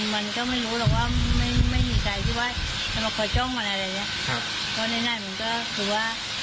มันไม่รู้หรอกว่าจะมาคอยจ้องติดตัว